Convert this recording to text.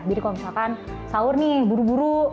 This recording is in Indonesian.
jadi kalau misalkan sahur nih buru buru